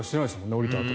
降りたあと。